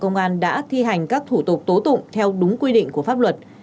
cơ quan cảnh sát điều tra bộ công an đã thi hành các thủ tục tố tụng theo đúng quy định của pháp luật